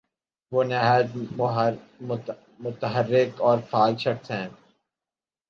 وہ نہایت متحرک اور فعال شخص ہیں۔